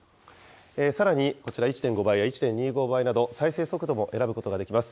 さらに、こちら１．５倍や１．２５倍など再生速度を選ぶことができます。